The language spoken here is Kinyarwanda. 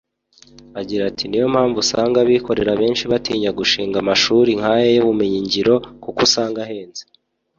Agira ti "Niyo mpamvu usanga abikorera benshi batinya gushinga amashuri nk’aya y’ubumenyingiro kuko usanga ahenze